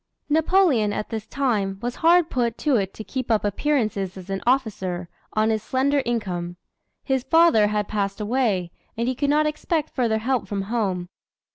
Napoleon at this time was hard put to it to keep up appearances as an officer, on his slender income. His father had passed away, and he could not expect further help from home.